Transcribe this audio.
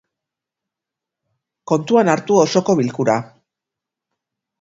Kontuan hartu osoko bilkura.